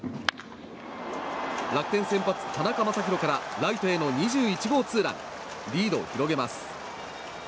楽天先発、田中将大からライトへの２１号ツーランリードを広げます。